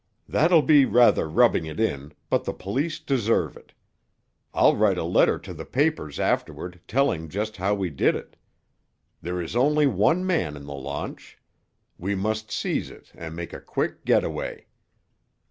"That'll be rather rubbing it in, but the police deserve it. I'll write a letter to the papers afterward, telling just how we did it. There is only one man in the launch. We must seize it and make a quick get away.